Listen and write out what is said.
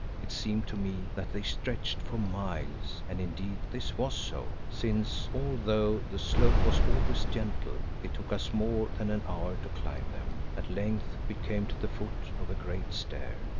It seemed to me that they stretched for miles, and indeed this was so, since, although the slope was always gentle, it took us more than an hour to climb them. At length we came to the foot of a great stair.